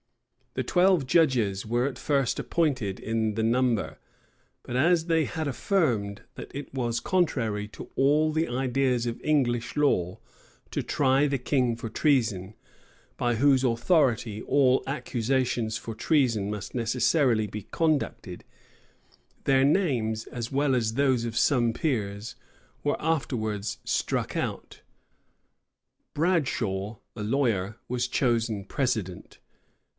The twelve judges were at first appointed in the number: but as they had affirmed, that it was contrary to all the ideas of English law to try the king for treason, by whose authority all accusations for treason must necessarily be conducted, their names, as well as those of some peers, were afterwards struck out. Bradshaw, a lawyer, was chosen president.